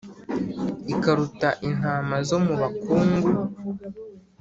Ikaruta intama zo mu bakungu